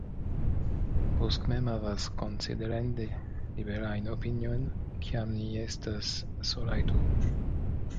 Busk mem havas konsiderinde liberajn opiniojn, kiam ni estas solaj du.